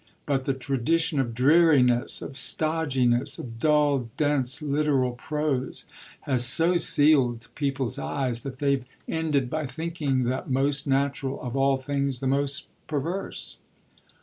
But the tradition of dreariness, of stodginess, of dull, dense, literal prose, has so sealed people's eyes that they've ended by thinking the most natural of all things the most perverse.